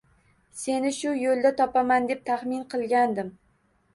Seni shu yo`lda topaman, deb tahmin qilgandim